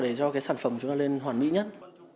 để cho cái sản phẩm chúng ta lên hoàn mỹ nhất